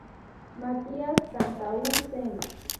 Mathias Tantau sen.